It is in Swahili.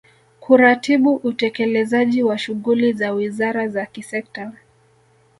kuratibu utekelezaji wa shughuli za wizara za kisekta